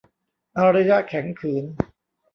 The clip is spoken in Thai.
อารยะแข็งขืน